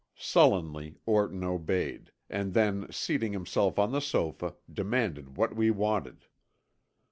Sullenly, Orton obeyed, and then seating himself on the sofa, demanded what we wanted.